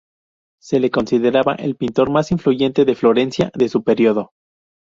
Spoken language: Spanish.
Se le consideraba el pintor más influyente de Florencia de su período.